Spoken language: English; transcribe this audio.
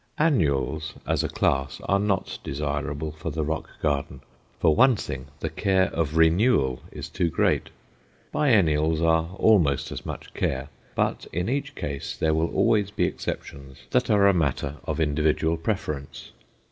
Annuals as a class are not desirable for the rock garden; for one thing, the care of renewal is too great. Biennials are almost as much care, but in each case there will always be exceptions that are a matter of individual preference.